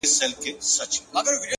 ژه دې اور لکه سکروټې د قلم سه گراني